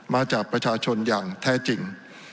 มาจากประชาชนอย่างแท้จริง